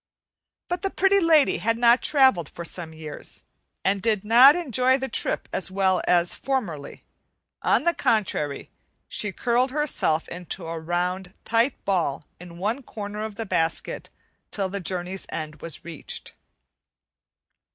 But the Pretty Lady had not travelled for some years, and did not enjoy the trip as well as formerly; on the contrary she curled herself into a round tight ball in one corner of the basket till the journey's end was reached.